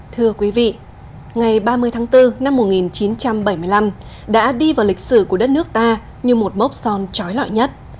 thưa quý vị ngày ba mươi tháng bốn năm một nghìn chín trăm bảy mươi năm đã đi vào lịch sử của đất nước ta như một mốc son trói lọi nhất